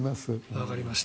わかりました。